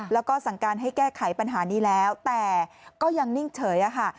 แล้วก็สั่งการให้แก้ไขปัญหานี้แล้วแต่ก็ยังนิ่งเฉยค่ะ